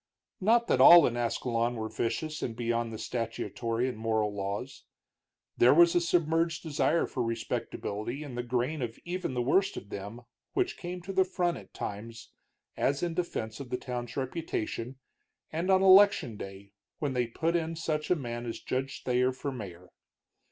Not that all in Ascalon were vicious and beyond the statutory and moral laws. There was a submerged desire for respectability in the grain of even the worst of them which came to the front at times, as in defense of the town's reputation, and on election day, when they put in such a man as Judge Thayer for mayor.